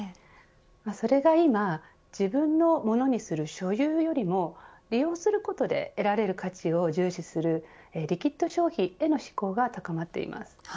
それが今自分のものにする所有よりも利用することで得られる価値を重視するリキッド消費への志向が高まっています。